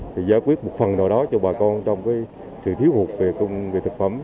thì giải quyết một phần nào đó cho bà con trong cái sự thiếu hụt về thực phẩm